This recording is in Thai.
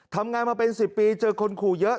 ทำงานมาเป็น๑๐ปีเจอคนขู่เยอะ